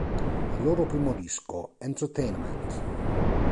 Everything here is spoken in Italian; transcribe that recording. Il loro primo disco, "Entertainment!